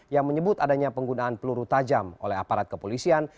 yang menyebut adanya penggunaan peluru tajam oleh aparat kepolisian